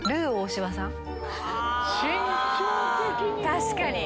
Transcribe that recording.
確かに！